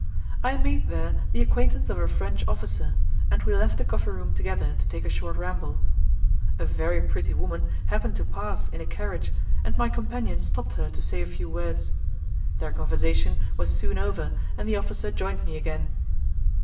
I made there the acquaintance of a French officer, and we left the coffee room together to take a short ramble. A very pretty woman happened to pass in a carriage, and my companion stopped her to say a few words. Their conversation was soon over, and the officer joined me again.